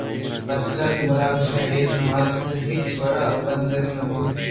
پرچا کہ اے مراگش اچ ماابید ہچ وڑا بندات نہ بوت